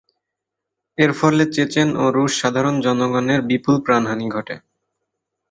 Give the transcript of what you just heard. এর ফলে চেচেন ও রুশ সাধারণ জনগণের বিপুল প্রাণহানি ঘটে।